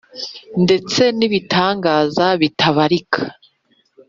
ndetse n’ibitangaza bitabarika